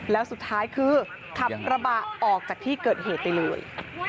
แล้วสุดท้ายคือขับกระบะออกจากที่เกิดเหตุไปเลย